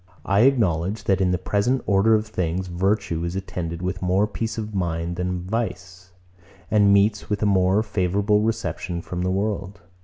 I acknowledge, that, in the present order of things, virtue is attended with more peace of mind than vice, and meets with a more favourable reception from the world.